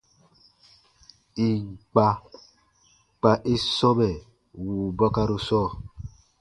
Ì n kpa, kpa i sɔmɛ wùu bakaru sɔɔ.